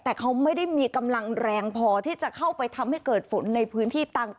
แต่เขาไม่ได้มีกำลังแรงพอที่จะเข้าไปทำให้เกิดฝนในพื้นที่ต่าง